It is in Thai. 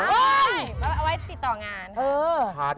เอ้ยเอาไว้ติดต่องานค่ะ